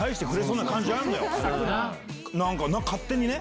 なんか勝手にね。